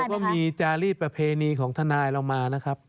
แล้วก็มีจารีสประเพณีของทนายเรามานะครับ